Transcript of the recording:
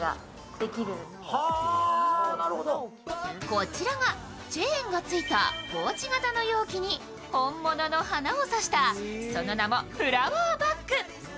こちらがチェーンがついたポーチ型の容器に本物の花を挿したその名もフラワーバッグ。